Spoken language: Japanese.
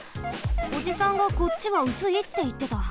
おじさんが「こっちはうすい」っていってた。